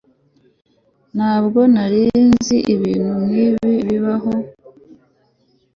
ntabwo nari nzi ibintu nkibi bibaho